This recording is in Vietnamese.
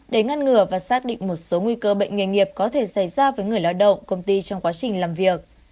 để ngăn ngừa và xác định một số nguy cơ bệnh nghề nghiệp có thể xảy ra với người lao động công ty trong quá trình làm việc